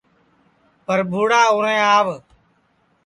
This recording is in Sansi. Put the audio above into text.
پربھوڑا اُرھیں آو